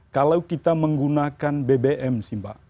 kalau kita menggunakan bbm sih mbak